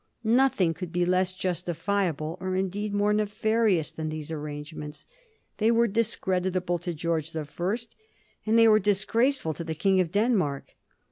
Nothing could be less justifiable, or indeed more nefarious, than these arrangements. They were discreditable to Greorge the First, and they were dis graceM to the King of Denmark.